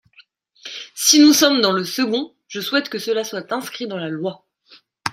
Si nous sommes dans le second, je souhaite que cela soit inscrit dans la loi.